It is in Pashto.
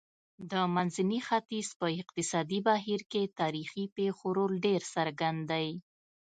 د منځني ختیځ په اقتصادي بهیر کې تاریخي پېښو رول ډېر څرګند دی.